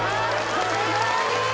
これはいい